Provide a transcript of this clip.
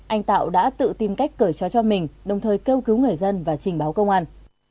anh tạo đã tự tìm cách cởi trói cho mình đồng thời kêu cứu người dân và trình báo công an